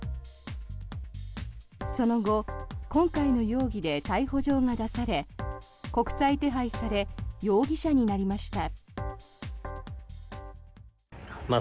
その後今回の容疑で逮捕状が出され国際手配され容疑者になりました。